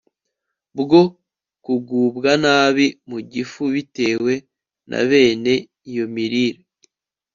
bwo kugubwa nabi mu gifu bitewe na bene iyo mirire